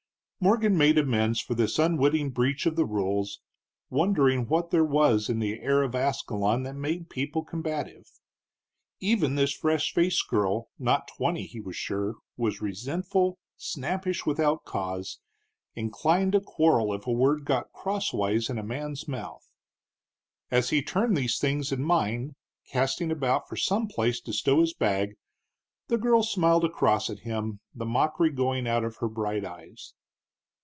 Morgan made amends for this unwitting breach of the rules, wondering what there was in the air of Ascalon that made people combative. Even this fresh faced girl, not twenty, he was sure, was resentful, snappish without cause, inclined to quarrel if a word got crosswise in a man's mouth. As he turned these things in mind, casting about for some place to stow his bag, the girl smiled across at him, the mockery going out of her bright eyes.